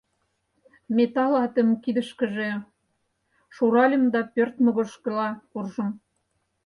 Металл атым кидышкыже шуральым да пӧрт могырышкыла куржым.